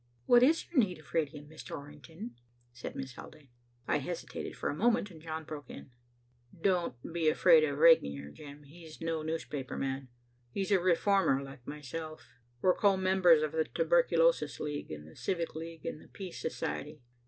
"What is your need of radium, Mr. Orrington?" said Miss Haldane. I hesitated for a moment and John broke in. "Don't be afraid of Regnier, Jim. He's no newspaper man. He's a reformer like myself. We're co members of the Tuberculosis League and the Civic League and the Peace Society.